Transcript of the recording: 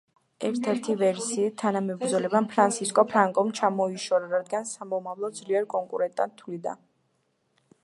ერთ-ერთი ვერსიით, თანამებრძოლმა, ფრანსისკო ფრანკომ ჩამოიშორა, რადგან სამომავლოდ ძლიერ კონკურენტად თვლიდა.